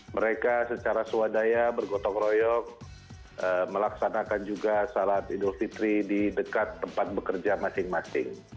mereka secara swadaya bergotong royong melaksanakan juga salat idul fitri di dekat tempat bekerja masing masing